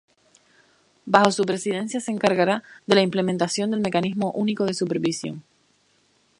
Bajo su presidencia se encargará de la implementación del Mecanismo Único de Supervisión.